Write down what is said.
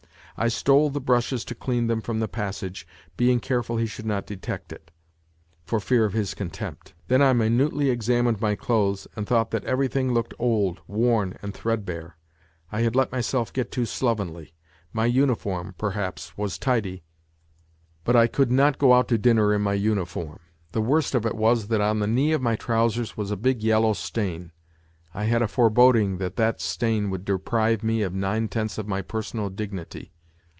I stole the brushes to clean them from the passage, being careful he should not detect it, for fear of his contempt. Then I minutely examined my clothes and .thought that everything looked old, worn and threadbare. I had let myself get too slovenly. My uniform, 104 NOTES FROM UNDERGROUND perhaps, was tidy, but I could not go out to dinner in my uniform. The worst of it was that on the knee of my trousers was a big yellow stain. I had a foreboding that that stain would deprive me of nine tenths of my personal dignity.